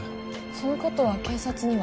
そのことは警察には？